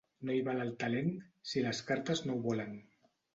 No hi val el talent si les cartes no ho volen.